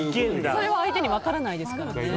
それは相手に分からないですからね。